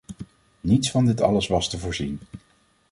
Niets van dit alles was te voorzien.